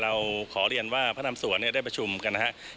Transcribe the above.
เราขอเรียนว่าพระนำสวนได้ประชุมกันนะครับ